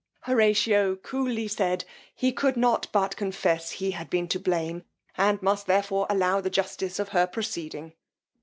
Horatio cooly said, he could not but confess he had been to blame, and must therefore allow the justice of her proceeding.